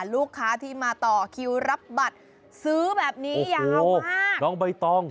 ลูกค้าที่มาต่อคิวรับบัตรซื้อแบบนี้ยาวมากน้องใบตอง